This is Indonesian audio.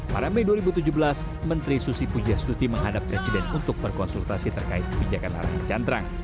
pada mei dua ribu tujuh belas menteri susi pujiastuti menghadap presiden untuk berkonsultasi terkait kebijakan arahan cantrang